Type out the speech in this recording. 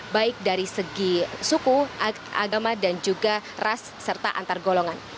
baik dari segi suku agama dan juga ras serta antar golongan